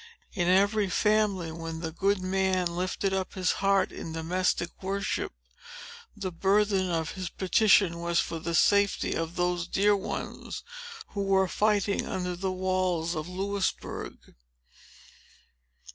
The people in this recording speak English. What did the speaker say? In every family, when the good man lifted up his heart in domestic worship, the burthen of his petition was for the safety of those dear ones, who were fighting under the walls of Louisbourg.